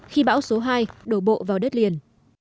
khi bão số hai đổ bộ vào đất liền